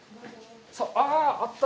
ああ、あった。